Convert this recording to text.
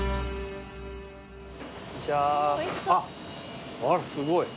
あっあらすごい。